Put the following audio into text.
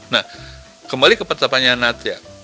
nah kembali ke pertanyaan natya